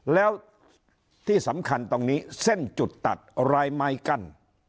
แล้วที่สำคัญตรงนี้เส้นจุดตัดรายไม้กั้น